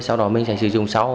sau đó mình sẽ sử dụng sau